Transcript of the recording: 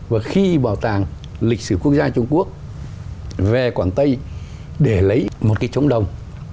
và khi bảo tàng lịch sử quốc gia trung quốc về quảng tây để lấy một cái trống đồng